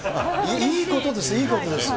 いいことです、いいことです。